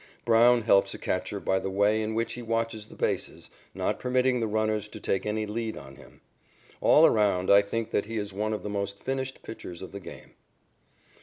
Brown helps a catcher by the way in which he watches the bases, not permitting the runners to take any lead on him. All around, I think that he is one of the most finished pitchers of the game.